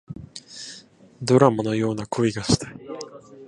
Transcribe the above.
ドラマのような恋がしたい